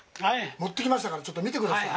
持ってきましたからちょっと見てください。